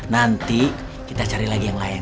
nanti kita cari lagi yang lain